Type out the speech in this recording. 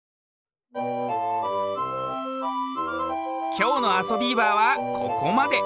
きょうの「あそビーバー」はここまで。